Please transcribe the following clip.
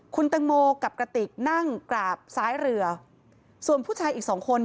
คุณตังโมกับกระติกนั่งกราบซ้ายเรือส่วนผู้ชายอีกสองคน